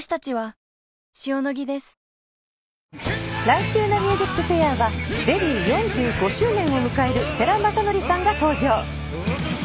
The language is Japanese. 来週の『ＭＵＳＩＣＦＡＩＲ』はデビュー４５周年を迎える世良公則さんが登場。